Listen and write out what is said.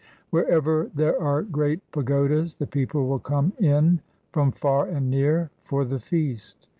Wherever there are great pagodas the people will come in from far and near for the feast.